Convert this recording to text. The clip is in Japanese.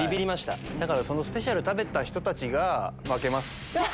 だからスペシャルメニュー食べた人たちが負けます。